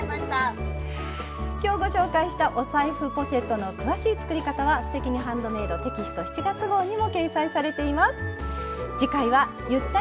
今日ご紹介したお財布ポシェットの詳しい作り方は「すてきにハンドメイド」テキスト７月号にも掲載されています。